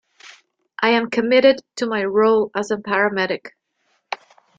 I am committed to my role as a paramedic.